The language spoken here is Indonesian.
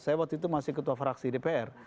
saya waktu itu masih ketua fraksi dpr